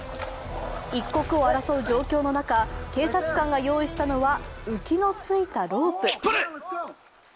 一刻を争う状況の中、警察官が用意したのは浮きのついたロープ。